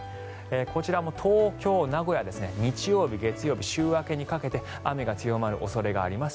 こちらも東京、名古屋日曜日、月曜日と週明けにかけて雨が強まる恐れがあります。